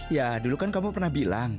ya dulu kan kamu pernah bilang